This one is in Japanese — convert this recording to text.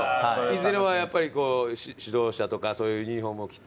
いずれはやっぱり指導者とかそういうユニホームを着て。